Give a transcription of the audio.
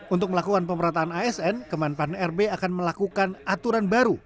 untuk melakukan pemerataan asn kemenpan rb akan melakukan aturan baru